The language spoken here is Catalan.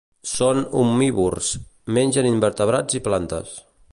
Són omnívors: mengen invertebrats i plantes.